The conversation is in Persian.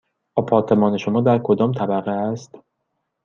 آپارتمان شما در کدام طبقه است؟